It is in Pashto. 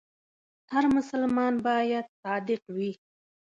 هر مسلمان باید صادق وي.